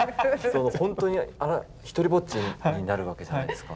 ほんとに独りぼっちになるわけじゃないですか。